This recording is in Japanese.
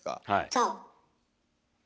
そう。